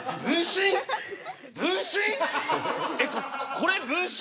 これ分身？